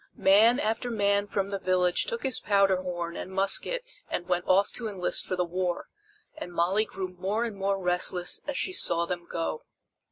Man after man from the village took his powder horn and musket and went off to enlist for the war, and Molly grew more and more restless as she saw them go.